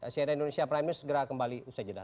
cnn indonesia prime news segera kembali usai jeda